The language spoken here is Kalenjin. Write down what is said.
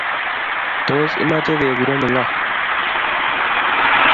Tos, imache kegureenin ngo?